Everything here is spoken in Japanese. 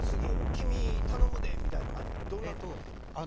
君頼むで」みたいな感じなの？